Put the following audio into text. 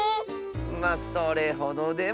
まあそれほどでも。